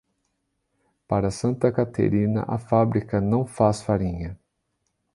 Para Santa Caterina, a fábrica não faz farinha.